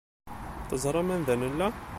Teẓram anda nella?